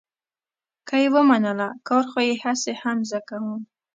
که یې ومنله، کار خو یې هسې هم زه کوم.